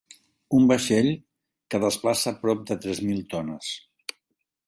Un vaixell que desplaça prop de tres mil tones.